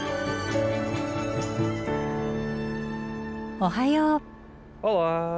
おはよう。